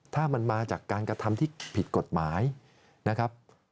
ถ้ามันมาจากการกระทำที่ผิดกฎหมายนะครับ